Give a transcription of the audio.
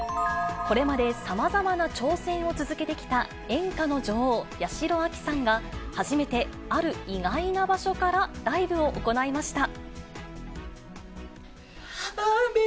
これまで、さまざまな挑戦を続けてきた演歌の女王、八代亜紀さんが、初めて、ある意外な場所からライブを行いました。